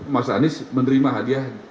mas anies menerima hadiah